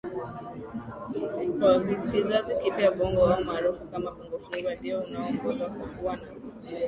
wa kizazi kipya Bongo au maarufu kama Bongo Fleva ndiyo unaoongoza kwa kuwa na